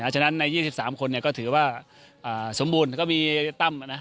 ฉะนั้นในยี่สิบสามคนเนี่ยก็ถือว่าอ่าสมบูรณ์ก็มีตั้มนะ